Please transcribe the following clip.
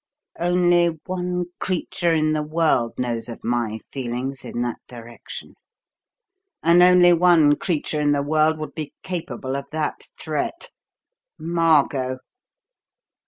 "Only one creature in the world knows of my feelings in that direction, and only one creature in the world would be capable of that threat Margot!